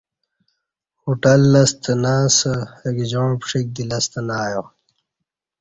ہوٹل لستہ نہ اسے اہ گجاعں پݜیک دی لستہ نہ ایا